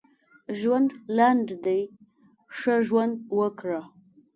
ژوند لنډ دی ښه ژوند وکړه.